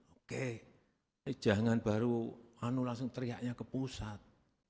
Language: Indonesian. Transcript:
oke tapi jangan baru anu langsung teriaknya ke pusat